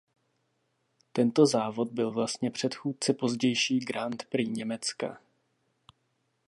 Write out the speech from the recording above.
Tento závod byl vlastně předchůdce pozdější Grand Prix Německa.